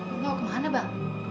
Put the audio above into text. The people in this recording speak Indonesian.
kamu mau kemana bang